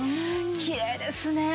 きれいですね！